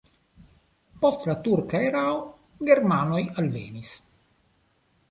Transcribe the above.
Post la turka erao germanoj alvenis.